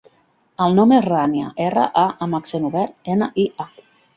El nom és Rània: erra, a amb accent obert, ena, i, a.